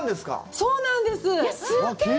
そうなんです。